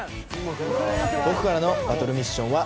僕からのバトルミッションは。